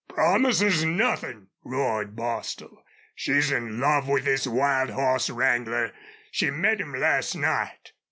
"Promises nothin'!" roared Bostil. "She's in love with this wild hoss wrangler! She met him last night!"